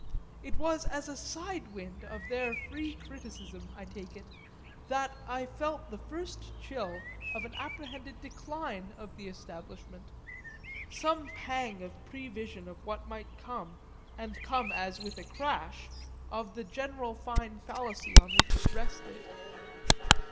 It was as a side wind of their free criticism, I take it, that I felt the first chill of an apprehended decline of the establishment, some pang of prevision of what might come, and come as with a crash, of the general fine fallacy on which it rested.